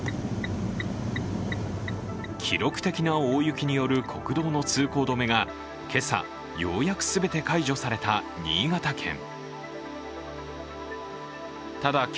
記録的な大雪による国道の通行止めが今朝、ようやく全て解除された新潟県。